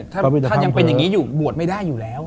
ถ้ายังเป็นอย่างนี้อยู่บวชไม่ได้อยู่แล้ว